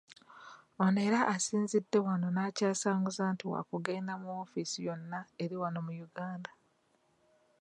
Ono era asinzidde wano n’akyasanguza nti waakugenda mu woofiisi yonna eri wano mu Uganda.